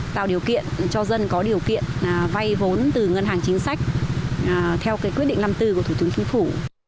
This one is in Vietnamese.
tạo điều kiện cho dân có điều kiện vay vốn từ ngân hàng chính sách theo cái quyết định năm tư của thủ tướng chính phủ